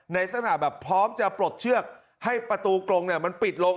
ในสถานที่พร้อมจะปลดเชือกให้ประตูกรงนี่มันปิดลง